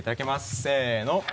せの！